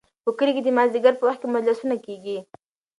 په کلي کې د مازدیګر په وخت کې مجلسونه کیږي.